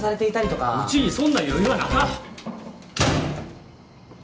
うちにそんな余裕はなか！